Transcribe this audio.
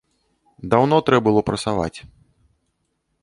Даўно трэ было прасаваць.